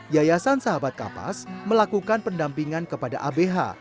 yayasan sahabat kapas melakukan pendampingan kepada abh